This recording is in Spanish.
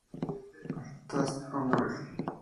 That's Amore!